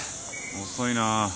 遅いな。